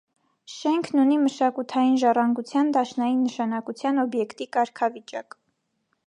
Շենքն ունի մշակութային ժառանգության դաշնային նշանակության օբյեկտի կարգավիճակ։